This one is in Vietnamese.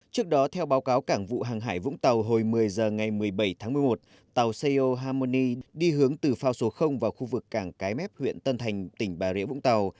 trước đó theo báo cáo cảng vụ hàng hải vũng tàu hồi một mươi h ngày một mươi bảy tháng một mươi một tàu seo hamoni đi hướng từ phao số vào khu vực cảng cái mép huyện tân thành tỉnh bà rịa vũng tàu